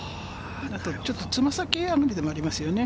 ちょっと爪先上がりでもありますよね。